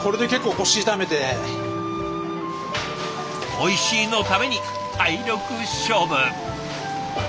「おいしい」のために体力勝負。